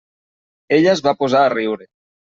Ella es va posar a riure.